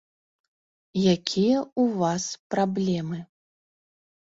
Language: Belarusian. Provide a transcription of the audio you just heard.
Якія у вас праблемы?